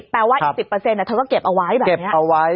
ปะแล้ว๑๐เธอก็เก็บเอาไว้